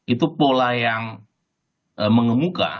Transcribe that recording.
itu pola yang mengemuka